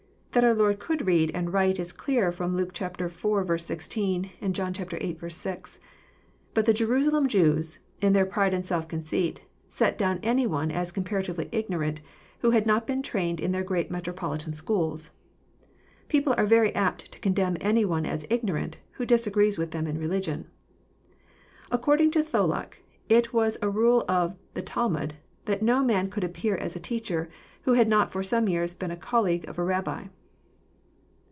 That our Lord could read and write is clear from Luke iv. 16, and John viii. 6. But the Jeru salem Jews, in their pride and self conceit, set down any one as comparatively ignorant who had not been trained in their great metropolitan schools. People are very apt to condemn any one as ignorant " who disagrees with them in religion. According to Tholuck, it was a nil 3 of the Talmud, " that no man could appear as a teacher, who liad not for some years been a colleague of a Rabbi."